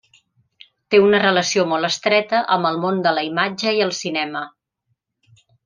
Té una relació molt estreta amb el món de la imatge i el cinema.